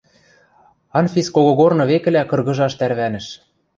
Анфис когогорны векӹлӓ кыргыжаш тӓрвӓнӹш.